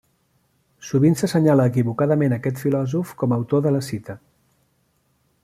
Sovint s'assenyala equivocadament a aquest filòsof com a autor de la cita.